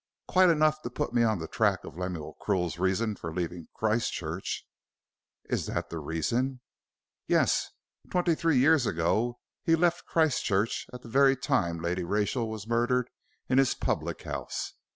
"Quite enough to put me on the track of Lemuel Krill's reason for leaving Christchurch." "Is that the reason?" "Yes. Twenty three years ago he left Christchurch at the very time Lady Rachel was murdered in his public house.